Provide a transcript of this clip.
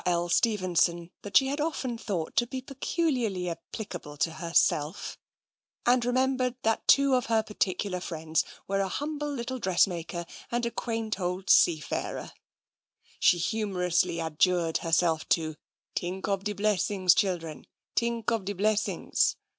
L. Stevenson that she had often thought to be peculiarly applicable to herself, and remembered that two of her particular friends were a humble little dressmaker and a quaint old seafarer; she humorously adjured her self to " t'ink ob de blessings, children, t'ink ob de blessings."